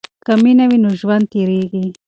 که مینه وي نو ژوند تیریږي.